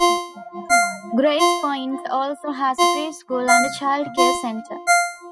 Grays Point also has a preschool and a child care centre.